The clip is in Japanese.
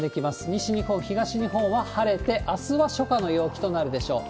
西日本、東日本は晴れて、あすは初夏の陽気となるでしょう。